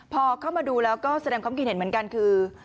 พอเข้ามาดูแล้วก็แสดงความคิดเห็นเหมือนกันคือ